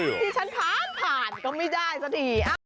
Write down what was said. ที่ฉันผ่านผ่านก็ไม่ได้สักที